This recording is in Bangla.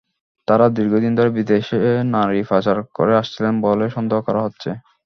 তাঁরা দীর্ঘদিন ধরে বিদেশে নারী পাচার করে আসছিলেন বলে সন্দেহ করা হচ্ছে।